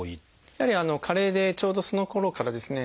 やはり加齢でちょうどそのころからですね